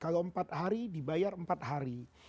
kalau empat hari dibayar empat hari